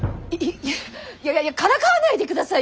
いやいやいやからかわないでくださいよ！